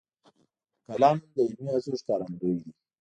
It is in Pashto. قلم د علمي هڅو ښکارندوی دی